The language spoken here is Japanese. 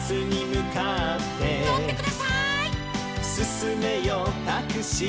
「すすめよタクシー」